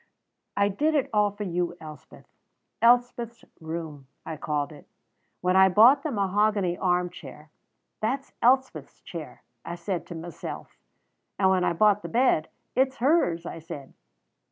"I did it all for you, Elspeth; 'Elspeth's room,' I called it. When I bought the mahogany arm chair, 'That's Elspeth's chair,' I said to mysel'; and when I bought the bed, 'It's hers,' I said.